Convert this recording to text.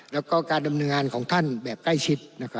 แล้วก็การดำเนินงานของท่านแบบใกล้ชิด